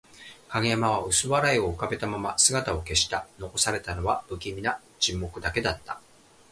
影山は薄笑いを浮かべたまま姿を消した。残されたのは、不気味な沈黙だけだった。